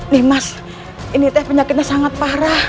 nimas ini teh penyakitnya sangat parah